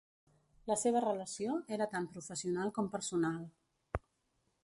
La seva relació era tant professional com personal.